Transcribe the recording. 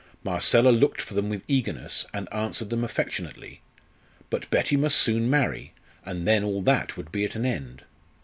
Marcella looked for them with eagerness, and answered them affectionately. But Betty must soon marry, and then all that would be at an end.